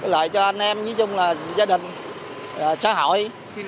lại cho anh em như chung là gia đình xã hội